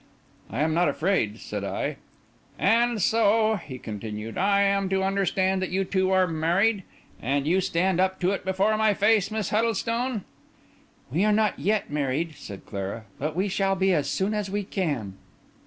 "I am not afraid," said I. "And so," he continued, "I am to understand that you two are married? And you stand up to it before my face, Miss Huddlestone?" "We are not yet married," said Clara; "but we shall be as soon as we can."